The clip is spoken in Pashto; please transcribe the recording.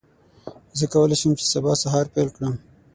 زه کولی شم چې سبا سهار پیل کړم.